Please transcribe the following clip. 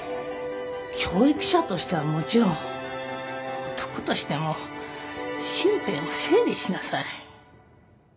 教育者としてはもちろん男としても身辺を整理しなさい。